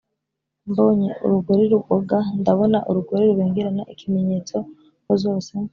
Mbonye urugori rugoga: Ndabona urugori rubengerana (ikimenyetso ko zose